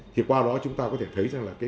thì qua đó chúng ta có thể thấy